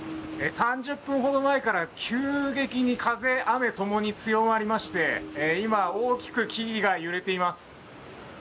３０分ほど前から急激に風、雨ともに強まりまして今、大きく木々が揺れています。